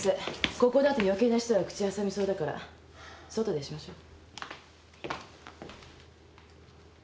ここだと余計な人が口を挟みそうだから外でしましょう。